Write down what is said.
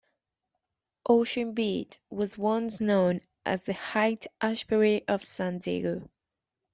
Ocean Beach was once known as the Haight-Ashbury of San Diego.